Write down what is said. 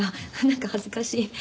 なんか恥ずかしい。